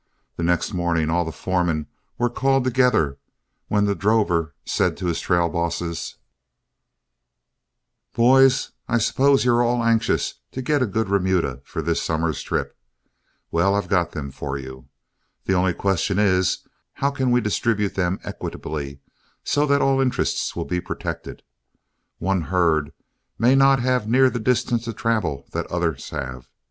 The next morning all the foremen were called together, when the drover said to his trail bosses: "Boys, I suppose you are all anxious to get a good remuda for this summer's trip. Well, I've got them for you. The only question is, how can we distribute them equitably so that all interests will be protected. One herd may not have near the distance to travel that the others have.